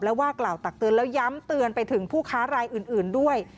ว่ากล่าวตักเตือนแล้วย้ำเตือนไปถึงผู้ค้ารายอื่นด้วย